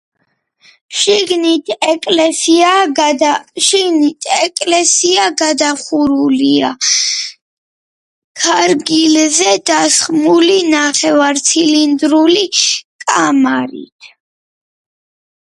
შიგნით ეკლესია გადახურულია ქარგილზე დასხმული ნახევარცილინდრული კამარით.